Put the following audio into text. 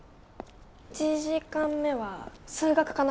１時間目は数学かな。